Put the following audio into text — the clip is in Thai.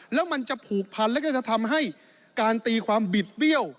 แล้วมันจะผูกพันแล้วก็จะทำให้การตีความบิดเบี้ยว